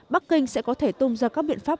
bắc kinh sẽ có thể tung ra các biện pháp